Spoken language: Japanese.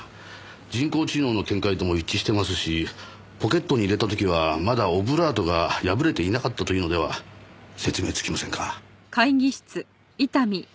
人工知能の見解とも一致してますしポケットに入れた時はまだオブラートが破れていなかったというのでは説明つきませんか？